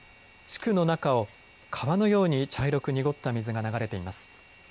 地区の中を川のように茶色く濁った水が流れています。